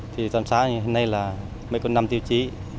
thì toàn xá như thế này là mấy con năm tiêu chí